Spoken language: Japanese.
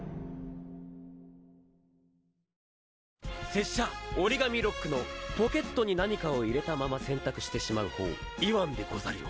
拙者折紙ロックのポケットに何かを入れたまま洗濯してしまうほうイワンでござるよ。